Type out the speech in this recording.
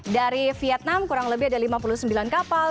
dari vietnam kurang lebih ada lima puluh sembilan kapal